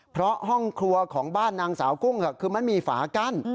เพราะห้องครัวของบ้านนางสาวกุ้งคือมันมีฝากั้น